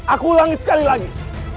aku ulangi sekali lagi